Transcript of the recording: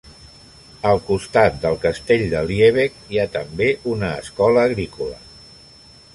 A costat del Castell de Liebegg hi ha també una escola agrícola.